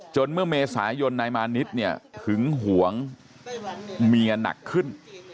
เมื่อเมษายนนายมานิดเนี่ยหึงหวงเมียหนักขึ้น